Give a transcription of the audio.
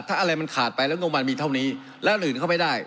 ถ้าอะไรมันขาดไปแล้วมันมีเท่านี้และอื่นมันไม่ได้